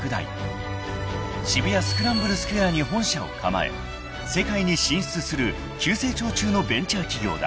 ［渋谷スクランブルスクエアに本社を構え世界に進出する急成長中のベンチャー企業だ］